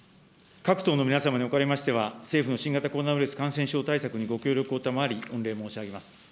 各党の皆様におかれましては、政府の新型コロナウイルス感染症対策にご協力を賜り、御礼申し上げます。